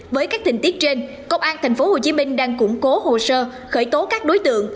với các tình tiết trên công an tp hcm đang củng cố hồ sơ khởi tố các đối tượng